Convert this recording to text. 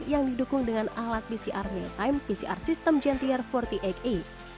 yang didukung dengan alat pcr meal time pcr system gentier empat puluh delapan